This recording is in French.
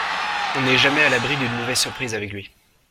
On n'est jamais à l'abri d'une mauvaise surprise avec lui.